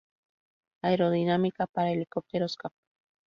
Aerodinámica Para helicópteros, Cap.